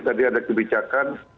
tadi ada kebijakan